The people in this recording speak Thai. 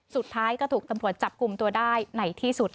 สุดท้ายก็ถูกตำรวจจับกลุ่มตัวได้ในที่สุด